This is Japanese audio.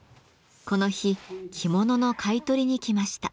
この日着物の買い取りに来ました。